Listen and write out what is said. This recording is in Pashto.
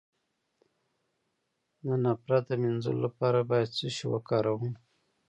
د نفرت د مینځلو لپاره باید څه شی وکاروم؟